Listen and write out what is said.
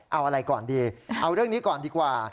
เอาอะไรก่อนดีเอาเรื่องนี้ก่อนดีกว่า